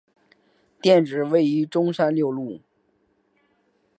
店址位于中山六路。